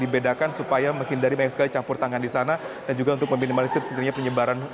baik dari bagaimana